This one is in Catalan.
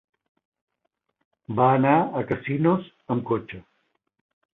Va anar a Casinos amb cotxe.